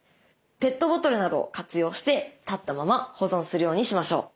ペットボトルなどを活用して立ったまま保存するようにしましょう。